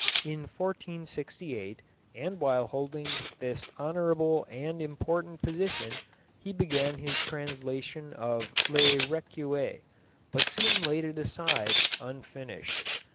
In 1468, and while holding this honourable and important position, he began his translation of Le Recueil, but soon laid it aside, unfinished.